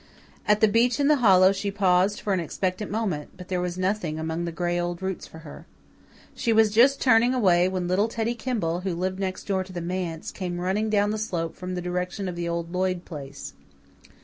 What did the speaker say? At the beech in the hollow she paused for an expectant moment, but there was nothing among the gray old roots for her. She was just turning away when little Teddy Kimball, who lived next door to the manse, came running down the slope from the direction of the old Lloyd place.